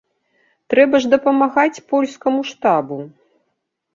Трэба ж дапамагаць польскаму штабу.